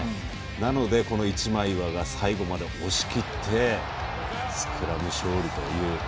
なので、この一枚岩で最後まで押し切ってスクラム勝利という。